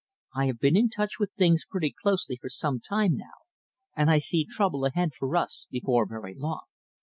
I have been in touch with things pretty closely for some time now, and I see trouble ahead for us before very long.